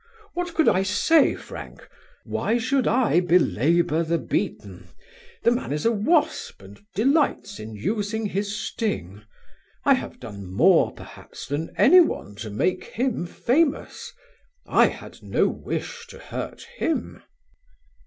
"What could I say, Frank? Why should I belabour the beaten? The man is a wasp and delights in using his sting. I have done more perhaps than anyone to make him famous. I had no wish to hurt him."